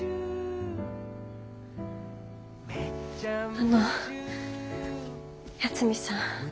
あの八海さん。